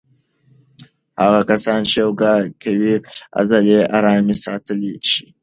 هغه کسان چې یوګا کوي عضلې آرامې ساتلی شي.